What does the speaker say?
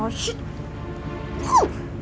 pantes aja kak fanny